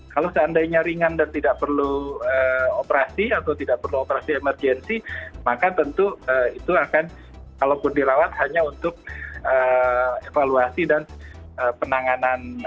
kalau seandainya ringan dan tidak perlu operasi atau tidak perlu operasi emergensi maka tentu itu akan kalaupun dirawat hanya untuk evaluasi dan penanganan